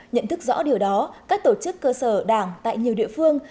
nhận thức rõ điều đó các tổ chức cơ sở đảng tại nhiều địa phương